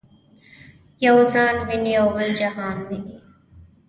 یو ځان ویني او بل جهان ویني.